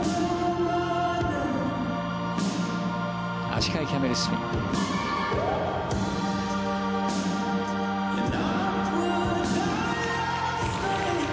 足換えキャメルスピン。